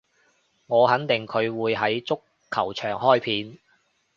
我肯定佢會喺足球場開片